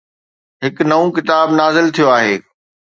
هڪ نئون ڪتاب نازل ٿيو آهي